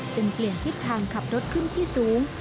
เปลี่ยนทิศทางขับรถขึ้นที่สูง